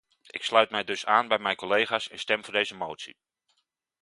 Ik sluit mij dus aan bij mijn collega's en stem voor deze motie.